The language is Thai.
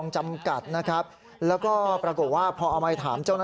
จะตกใจแค่ไหน